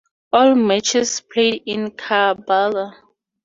All matches played in Karbala.